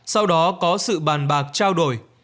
sau đó có sự bàn bạc trao đổi